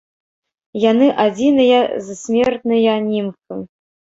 Яны адзіныя з смертныя німфы.